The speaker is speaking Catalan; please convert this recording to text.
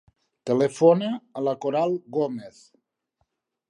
Telefona a la Coral Gomez.